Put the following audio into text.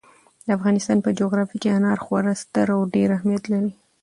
د افغانستان په جغرافیه کې انار خورا ستر او ډېر اهمیت لري.